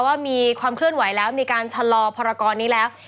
ว่ามีความเคลื่อนไหวแล้วมีการชะลอพรกรนี้แล้ว